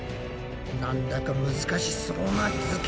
なんだか難しそうな図形！